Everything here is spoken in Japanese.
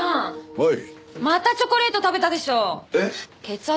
はい。